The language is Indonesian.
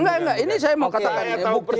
enggak enggak ini saya mau katakan